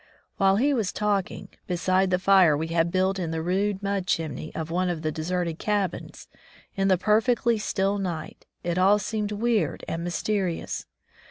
While he was talking, beside the fire we had built in the rude mud chimney of one of the deserted cabins, in the perfectly still night, it all seemed weird and mysterious.